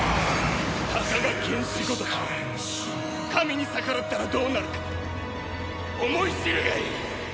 たかが剣士ごときが神に逆らったらどうなるか思い知るがいい！